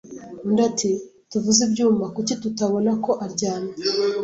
Undi ati: “Tuvuze ibyuma, kuki tutabona ko aryamye?